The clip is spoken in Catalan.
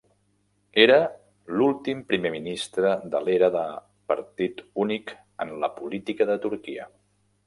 Era l'últim primer ministre de l'era de partit únic en la política de Turquia.